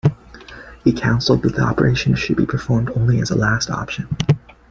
He counseled that the operation should be performed only as a last option.